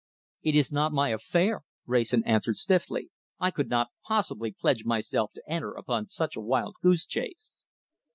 "It is not my affair," Wrayson answered stiffly. "I could not possibly pledge myself to enter upon such a wild goose chase."